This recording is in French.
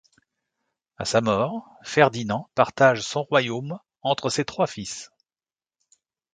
À sa mort, Ferdinand partage son royaume entre ses trois fils.